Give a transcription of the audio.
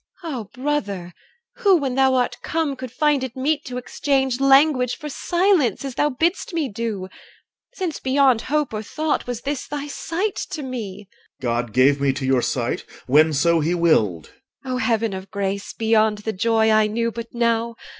EL. Ah! brother, who, when thou art come, Could find it meet to exchange Language for silence, as thou bidst me do? Since beyond hope or thought Was this thy sight to me. OR. God gave me to your sight when so he willed. EL. O heaven of grace beyond The joy I knew but now!